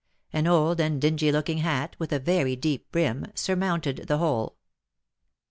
An old and dingy looking hat, with a very deep brim, surmounted the whole.